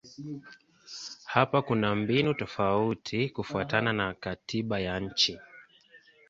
Hapa kuna mbinu tofauti kufuatana na katiba ya nchi.